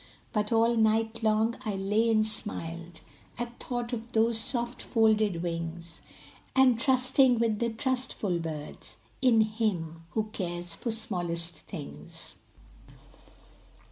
But all night long I lay and smiled At thought of those soft folded wings, And trusting, with the trustful birds, In Him who cares for smallest things.